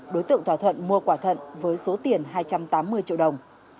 đối tượng thỏa thuận mua quả thận với số tiền hai trăm tám mươi triệu đồng